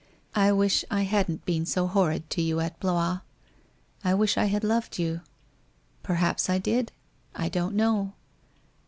I wish I hadn't been so horrid to you at Blois. I wish I had loved you? Perhaps I did ? I don't know.